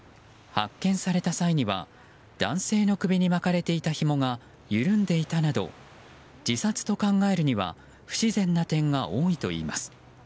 発見された際には男性の首に巻かれていたひもが緩んでいたなど自殺と考えるには不自然な点が多いといいます。